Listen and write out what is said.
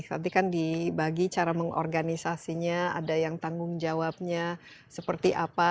nanti kan dibagi cara mengorganisasinya ada yang tanggung jawabnya seperti apa